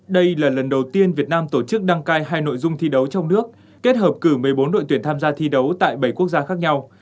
đây là lần đầu tiên việt nam tổ chức đăng cai hai nội dung thi đấu trong nước kết hợp cử một mươi bốn đội tuyển tham gia thi đấu tại bảy quốc gia khác nhau